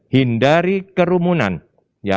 hindari kerumunan ya